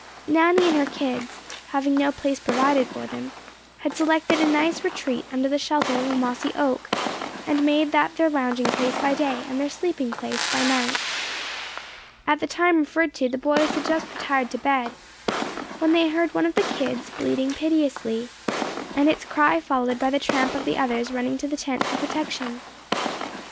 Nanny and her kids, having no place provided for them, had selected a nice retreat under the shelter of a mossy oak, and made that their lounging place by day, and their sleeping place by night. At the time referred to the boys had just retired to bed, when they heard one of the kids bleating piteously, and its cry followed by the tramp of the others running to the tent for protection.